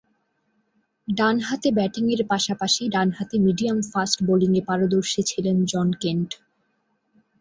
ডানহাতে ব্যাটিংয়ের পাশাপাশি ডানহাতে মিডিয়াম-ফাস্ট বোলিংয়ে পারদর্শী ছিলেন জন কেন্ট।